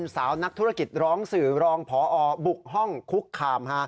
สาวนักธุรกิจร้องสื่อรองพอบุกห้องคุกคาม